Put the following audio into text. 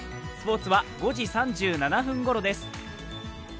スポーツは５時３７分ごろです。